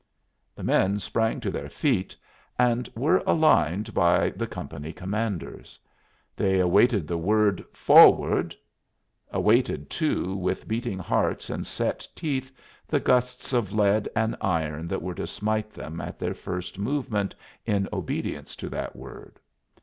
The men sprang to their feet and were aligned by the company commanders. They awaited the word "forward" awaited, too, with beating hearts and set teeth the gusts of lead and iron that were to smite them at their first movement in obedience to that word.